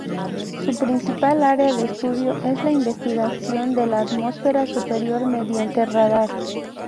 Su principal área de estudio es la investigación de la atmósfera superior mediante radar.